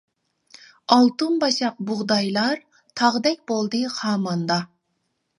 ئالتۇن باشاق بۇغدايلار، تاغدەك بولدى خاماندا.